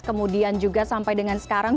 kemudian juga sampai dengan sekarang